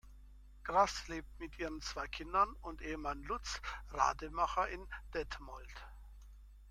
Grass lebt mit ihren zwei Kindern und Ehemann Lutz Rademacher in Detmold.